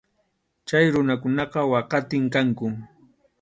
Chay runakunaqa waqatim kanku.